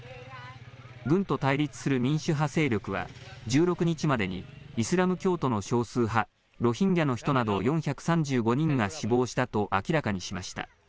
軍と対立する民主派勢力は、１６日までにイスラム教徒の少数派、ロヒンギャの人など４３５人が死亡したと明らかにしました。